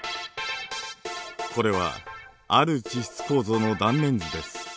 これはある地質構造の断面図です。